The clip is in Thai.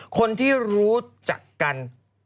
คนที่รู้จักกัน